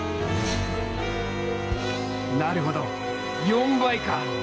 なるほど４倍か！